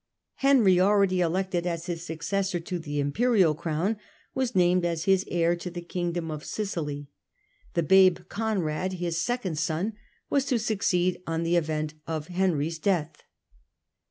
Henry, already elected as his successor to the Imperial Crown, was named as his heir to the Kingdom of Sicily. The babe Conrad, his second son, was to succeed on the event of Henry's death.